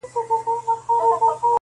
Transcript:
د کمزوري عاقبت -